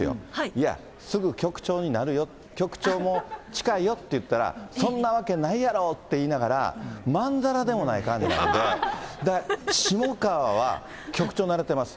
いや、すぐ局長になるよ、局長も近いよって返したら、そんなわけないやろって言いながら、まんざらでもない感じなんで、だから下川は局長ねらってます。